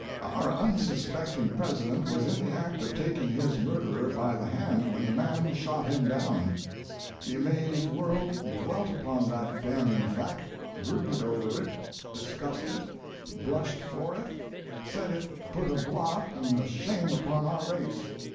Our unsuspecting President was in the act of taking his mur derer by the hand when the man shot him down. The amazed world dwelt upon that damning fact, brooded over it, discussed it, blushed for it, said it put a blot and a shame upon our race.